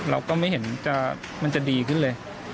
เราก็ไม่เห็นมันจะดีขึ้นเลย